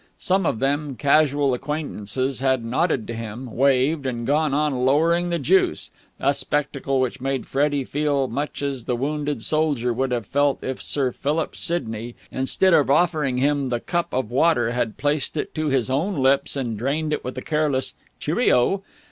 Some of them, casual acquaintances, had nodded to him, waved, and gone on lowering the juice, a spectacle which made Freddie feel much as the wounded soldier would have felt if Sir Philip Sidney, instead of offering him the cup of water, had placed it to his own lips and drained it with a careless "Cheerio!"